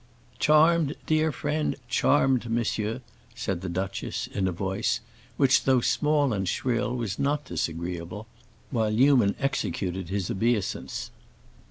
"Charmed, dear friend; charmed, monsieur," said the duchess in a voice which, though small and shrill, was not disagreeable, while Newman executed his obeisance.